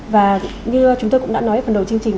và như chúng tôi cũng đã nói ở phần đầu chương trình